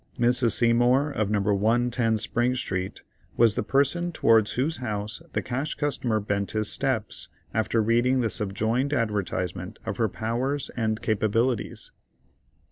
Mrs. Seymour, of No. 110 Spring Street, was the person towards whose house the Cash Customer bent his steps, after reading the subjoined advertisement of her powers and capabilities.